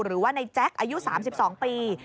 หรือว่าในแจ๊คอายุ๓๒ปี